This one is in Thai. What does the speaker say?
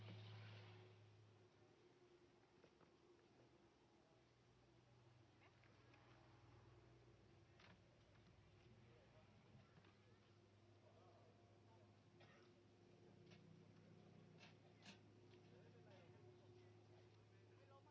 สวัสดีครับ